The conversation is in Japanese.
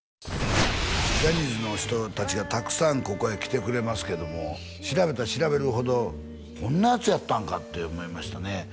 ジャニーズの人達がたくさんここへ来てくれますけども調べたら調べるほどこんなやつやったんかって思いましたね